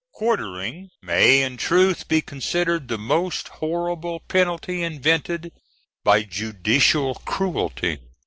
Quartering may in truth be considered the most horrible penalty invented by judicial cruelty.